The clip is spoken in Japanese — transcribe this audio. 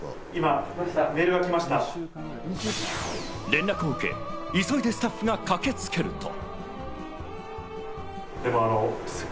連絡を受け、急いでスタッフが駆けつけると。